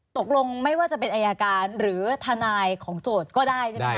ตกลงไม่ว่าจะเป็นอายการหรือทนายของโจทย์ก็ได้ใช่ไหมคะ